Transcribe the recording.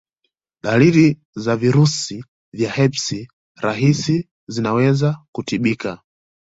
Dalili za virusi vya herpes rahisi zinaweza kutibika